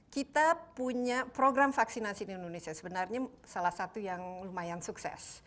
kita punya program vaksinasi di indonesia sebenarnya salah satu yang lumayan sukses